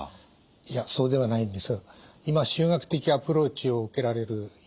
いやそうではないんです。